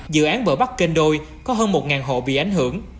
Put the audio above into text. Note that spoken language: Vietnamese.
dự án bờ bắc kênh đôi có hơn một hộ bị ảnh hưởng